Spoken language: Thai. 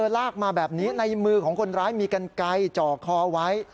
ลากมาแบบนี้ในมือของคนร้ายมีกันไกลจ่อคอไว้